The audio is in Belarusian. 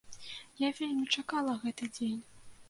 Я вельмі чакала гэты дзень.